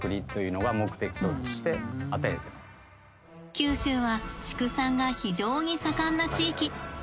九州は畜産が非常に盛んな地域。